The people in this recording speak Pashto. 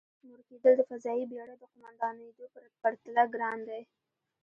مور کېدل د فضايي بېړۍ د قوماندانېدو پرتله ګران دی.